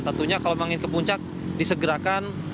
tentunya kalau ingin ke puncak disegerakan